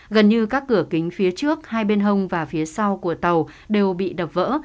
gần như các cửa kính phía trước hai bên hông và phía sau của tàu đều bị đập vỡ